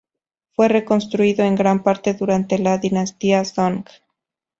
Fue reconstruido en gran parte durante la dinastía Song.